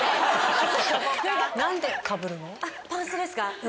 パンストですか？